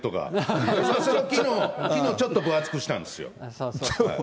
きのうちょっと分厚くしたんですよ。